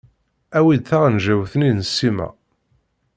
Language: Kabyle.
Awi-d taɣenǧawt-nni n ssima.